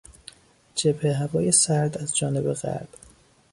جبههی هوای سرد از جانب غرب